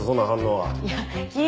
はい。